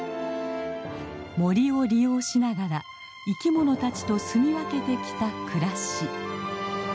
森を利用しながら生きものたちと住み分けてきた暮らし。